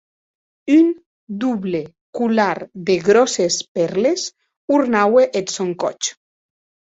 Un doble colar de gròsses pèrles ornaue eth sòn còth.